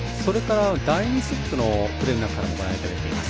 第２セットのプレーもご覧いただいています。